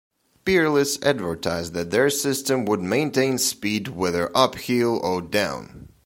Peerless advertised that their system would "maintain speed whether up hill or down".